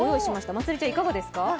まつりちゃん、いかがですか。